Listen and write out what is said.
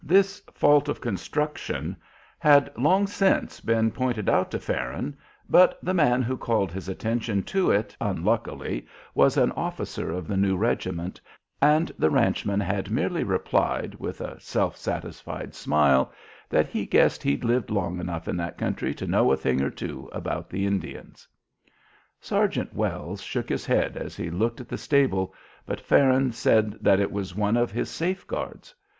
This fault of construction had long since been pointed out to Farron, but the man who called his attention to it, unluckily, was an officer of the new regiment, and the ranchman had merely replied, with a self satisfied smile, that he guessed he'd lived long enough in that country to know a thing or two about the Indians. Sergeant Wells shook his head as he looked at the stable, but Farron said that it was one of his safe guards.